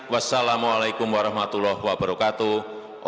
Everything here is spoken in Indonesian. wassalamu'alaikum warahmatullahi wabarakatuh